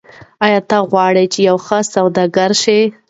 آیا ته غواړې چې یو ښه سوداګر شې؟